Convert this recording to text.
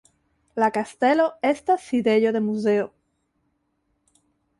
La kastelo estas sidejo de muzeo.